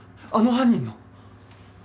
あの犯人の！？